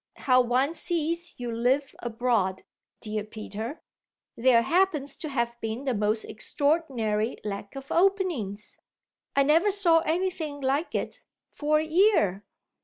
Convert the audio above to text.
"How one sees you live abroad, dear Peter! There happens to have been the most extraordinary lack of openings I never saw anything like it for a year.